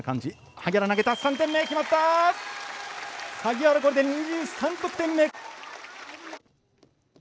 萩原、これで２３得点目！